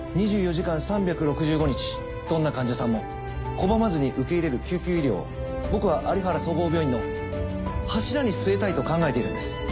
２４時間３６５日どんな患者さんも拒まずに受け入れる救急医療を僕は有原総合病院の柱に据えたいと考えているんです。